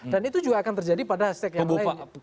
dan itu juga akan terjadi pada hashtag yang lain